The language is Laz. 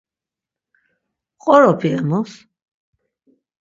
Qoropi emus?